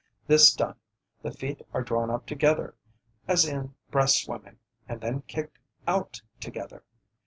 This done, the feet are drawn up together, as in breast swimming, and then kicked out together.